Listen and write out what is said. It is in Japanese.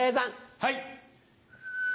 はい。